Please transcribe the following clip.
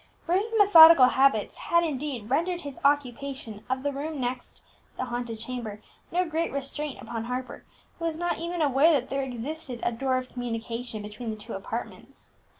Bruce's methodical habits had, indeed, rendered his occupation of the room next the haunted chamber no great restraint upon Harper, who was not even aware that there existed a door of communication between the two apartments.